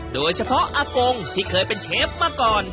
โดยเฉพาะอากงที่เคยเป็นเชฟมาก่อน